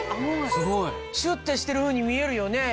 顎がシュってしてるふうに見えるよね。